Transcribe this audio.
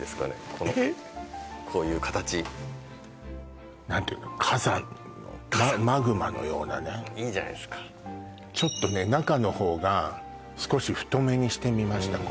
このこういう形マグマのようなねいいんじゃないですかちょっとね中のほうが少し太めにしてみました